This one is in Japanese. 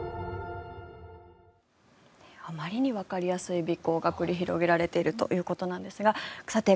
あまりにわかりやすい尾行が繰り広げられているということですがさて